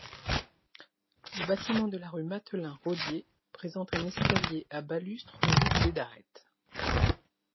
Le bâtiment de la rue Mathelin-Rodier présente un escalier à balustres voûté d'arêtes.